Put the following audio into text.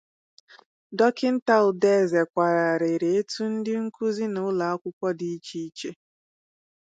Dọkịta Udeze kwàra arịrị etu ndị nkụzi n'ụlọakwụkwọ dị iche iche